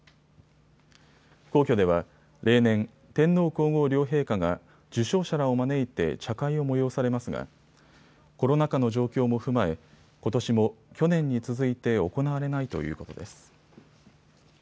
皇居では例年、天皇皇后両陛下が受章者らを招いて茶会を催されますがコロナ禍の状況も踏まえ、ことしも去年に続いて行われないということです。